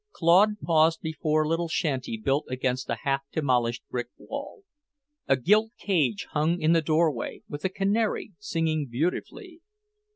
Claude paused before a little shanty built against a half demolished brick wall. A gilt cage hung in the doorway, with a canary, singing beautifully.